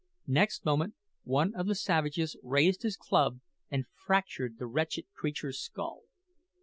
Next moment one of the savages raised his club and fractured the wretched creature's skull.